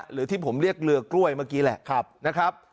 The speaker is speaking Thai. หรือที่ผมเรียกเรือกล้วยเมื่อกี้แหละนะครับ